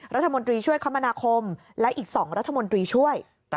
รัฐมนตรีช่วยคมนาคมและอีก๒รัฐมนตรีช่วย